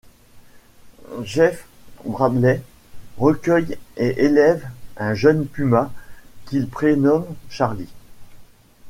Jess Bradley recueille et élève un jeune puma qu'il prénomme Charlie.